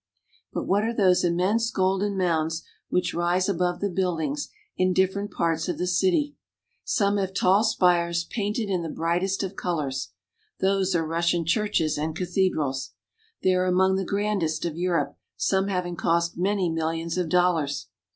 But what are those immense golden mounds which rise above the buildings in different parts of the city? Some have tall spires, painted in the brightest of IN ST. PETERSBURG. 333 colors. Those are Russian churches and cathedrals. They are among the grandest of Europe, some having cost many millions of dollars.